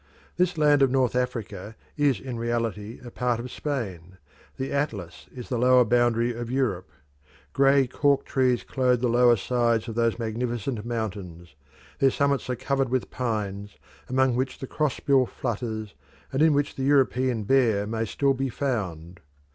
This land of North Africa is in reality a part of Spain; the Atlas is the southern boundary of Europe. Grey cork trees clothe the lower sides of those magnificent mountains; their summits are covered with pines, among which the cross bill flutters, and in which the European bear may still be found.